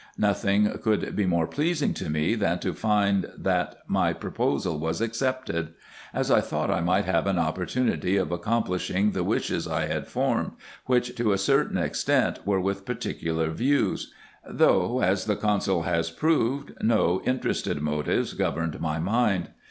Nothing could be more pleasing to me, than to find, that my proposal was accepted ; as I thought I might have an opportunity of accomplishing the wishes I had formed, which, to a certain extent, were with particular views ; though, as the consul has proved, no interested motives governed my mind.